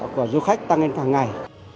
của du khách tăng lên hàng ngày